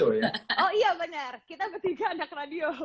oh iya bener kita ketiga anak radio